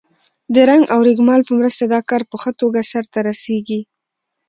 د رنګ او رېګمال په مرسته دا کار په ښه توګه سرته رسیږي.